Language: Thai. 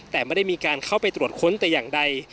แต่ไม่ได้มีการเข้าไปตรวจค้นแต่อย่างใด